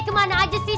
kemana aja sih